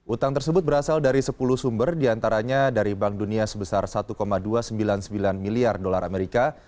utang tersebut berasal dari sepuluh sumber diantaranya dari bank dunia sebesar satu dua ratus sembilan puluh sembilan miliar dolar amerika